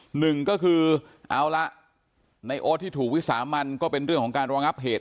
หนึ่งก็คือเอาละในโอ๊ตที่ถูกวิสามันก็เป็นเรื่องของการรองับเหตุ